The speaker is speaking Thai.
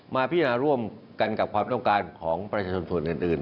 พิจารณาร่วมกันกับความต้องการของประชาชนส่วนอื่น